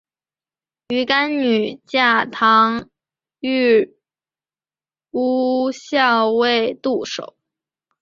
鱼干女嫁唐御侮校尉杜守。